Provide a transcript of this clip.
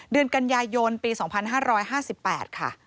เดือนกันยายนปี๒๕๕๘ค่ะ